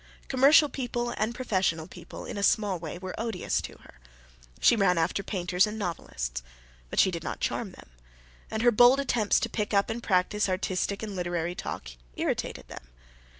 Commercial people and professional people in a small way were odious to her. She ran after painters and novelists; but she did not charm them; and her bold attempts to pick up and practise artistic and literary talk irritated them.